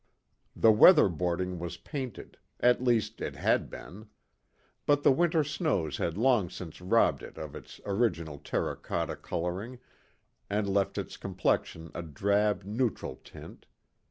The weather boarding was painted; at least, it had been. But the winter snows had long since robbed it of its original terra cotta coloring and left its complexion a drab neutral tint.